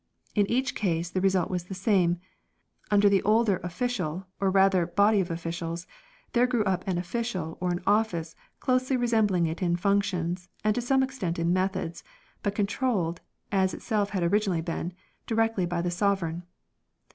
In each case the re sult was the same ; under the older Official, or rather body of Officials, there grew up an Official or an Office closely resembling it in functions, and to some extent in methods, but controlled, as itself had originally been, directly by the Sovereign.